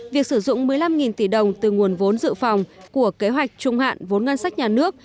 việc sử dụng một mươi năm tỷ đồng từ nguồn vốn dự phòng của kế hoạch trung hạn vốn ngân sách nhà nước